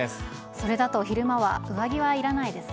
それだと昼間は上着はいらないですね。